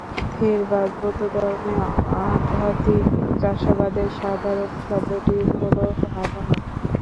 থেরবাদ বৌদ্ধধর্মে, আধ্যাত্মিক চাষাবাদের সাধারণ শব্দটি হল ভাবনা।